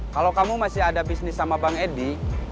kalau kamu masih ada bisnis sama bang edi